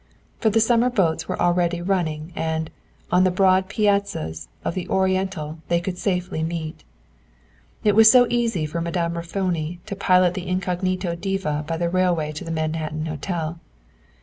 For the summer boats were already running, and, on the broad piazzas of the Oriental they could safely meet. It was so easy for Madame Raffoni to pilot the incognito diva by the railway to the Manhattan Hotel.